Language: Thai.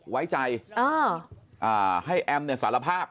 ไว้ใจให้แอมสารภาพ